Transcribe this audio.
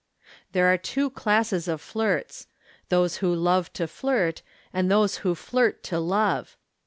There are two classes of flirts those who love to flirt, and those who flirt to love.